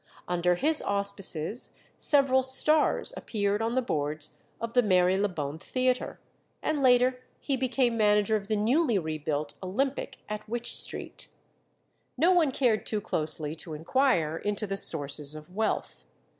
Under his auspices several "stars" appeared on the boards of the Marylebone theatre, and later he became manager of the newly rebuilt Olympic at Wych Street. No one cared too closely to inquire into the sources of wealth.